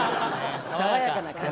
爽やかな感じが。